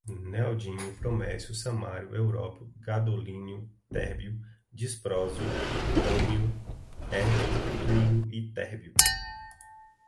neodímio, promécio, samário, európio, gadolínio, térbio, disprósio, hólmio, érbio, túlio, itérbio